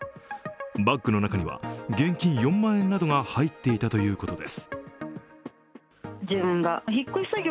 バッグの中には現金４万円などが入っていたということです。